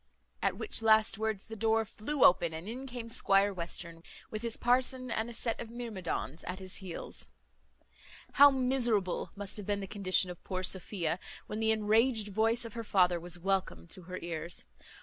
At which last words the door flew open, and in came Squire Western, with his parson and a set of myrmidons at his heels. How miserable must have been the condition of poor Sophia, when the enraged voice of her father was welcome to her ears!